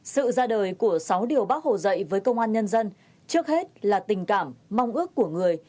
sự ra đời của sáu điều bác hồ dạy với công an nhân dân trước hết là tình cảm mong ước của người